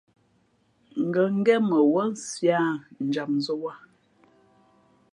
Ngα̌ ngén mα wúά nsi â njamzᾱ wāha.